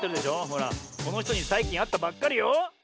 ほらこのひとにさいきんあったばっかりよ。